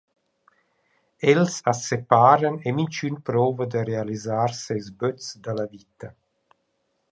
Els as separan e minchün prouva da realisar seis böts da la vita.